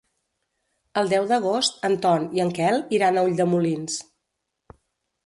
El deu d'agost en Ton i en Quel iran a Ulldemolins.